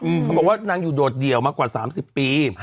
เขาบอกว่านางอยู่โดดเดี่ยวมากว่า๓๐ปี